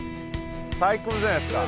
最高じゃないですか。